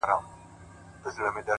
صبر د اوږدو لارو تر ټولو ښه ملګری دی